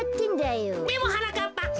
でもはなかっぱ